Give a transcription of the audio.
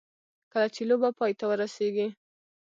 کله چې لوبه پای ته ورسېږي.